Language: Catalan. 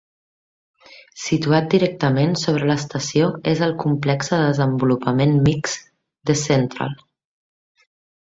Situat directament sobre l'estació es el complexe de desenvolupament mixt, The Central.